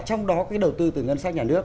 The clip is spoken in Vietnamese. trong đó cái đầu tư từ ngân sách nhà nước